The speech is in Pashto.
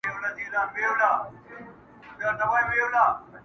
o دوې هندوانې په يوه لاس کي نه نيول کېږي.